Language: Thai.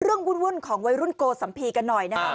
วุ่นของวัยรุ่นโกสัมภีร์กันหน่อยนะครับ